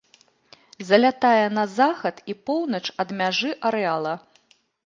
Залятае на захад і поўнач ад мяжы арэала.